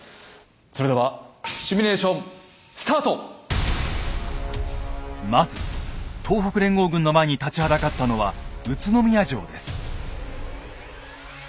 それではまず東北連合軍の前に立ちはだかったのは宇都宮城です。